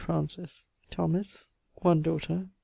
Francis. Thomas. (One daughter.)